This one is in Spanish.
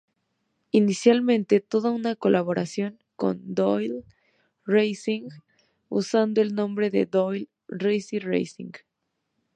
Inicialmente fue una colaboración con Doyle-Racing usando el nombre de Doyle-Risi Racing.